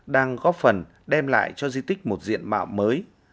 đang góp phần đem lại cho di tích một diện mạo mới